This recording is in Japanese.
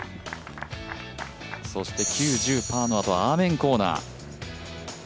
そして９、１０、パーのあとアーメンコーナー。